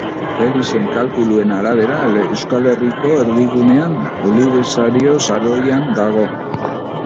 Felixen kalkuluen arabera, Euskal Herriko erdigunean Olibesario saroian dago.